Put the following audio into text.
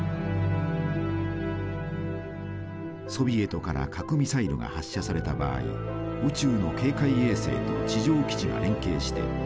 ソビエトから核ミサイルが発射された場合宇宙の警戒衛星と地上基地が連携してその正確な位置を把握。